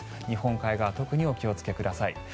日本海側特にお気をつけください。